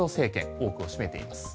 多くを占めています。